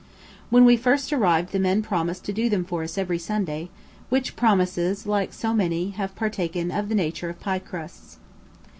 When we first arrived the men promised to do them for us every Sunday; which promises, like so many, have partaken of the nature of pie crusts.